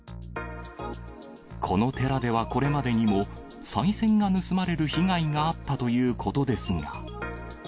この寺ではこれまでにも、さい銭が盗まれる被害があったということですが。